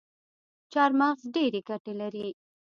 چارمغز ډیري ګټي لري